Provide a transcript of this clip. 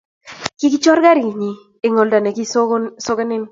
kikichor karinyin eng' oldo ne kisokonen